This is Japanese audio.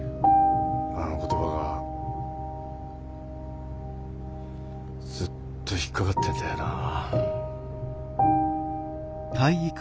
あの言葉がずっと引っ掛かってんだよなあ。